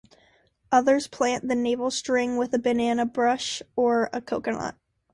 Others plant the navel string with a banana-bush or a coconut.